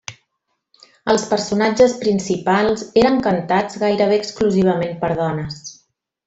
Els personatges principals eren cantats gairebé exclusivament per dones.